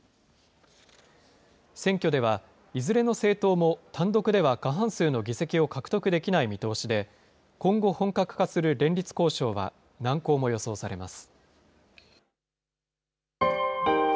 選挙では、いずれの政党も単独では過半数の議席を獲得できない見通しで、今後、本格化する連立交渉は難航も予想されます。